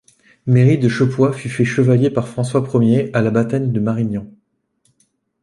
Méry de Chepoix fut fait chevalier par François I à la bataille de Marignan.